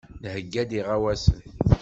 Nheyya-d iɣawasen.